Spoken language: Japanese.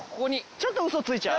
ちょっとウソついちゃう。